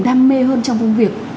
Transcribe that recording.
đam mê hơn trong công việc